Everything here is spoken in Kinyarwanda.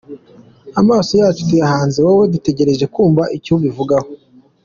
Amaso yacu tuyahanze wowe, dutegereje kumva icyo ubivugaho.